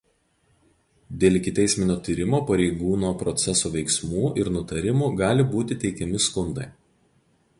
Dėl ikiteisminio tyrimo pareigūno proceso veiksmų ir nutarimų gali būti teikiami skundai.